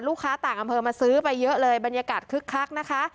ต่างอำเภอมาซื้อไปเยอะเลยบรรยากาศคึกคักนะคะ